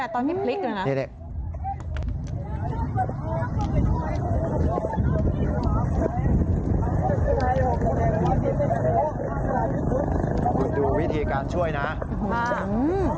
คุณดูวิธีการช่วยนะ